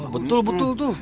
betul betul tuh